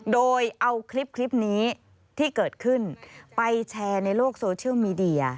โดยเอาคลิปนี้ที่เกิดขึ้นไปแชร์ในโลกโซเชียลมีเดีย